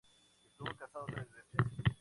Estuvo casada tres veces.